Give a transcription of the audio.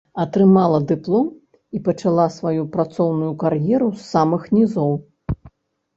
Атрымала дыплом і пачала сваю працоўную кар'еру з самых нізоў.